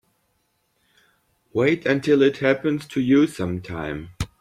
Wait until it happens to you sometime.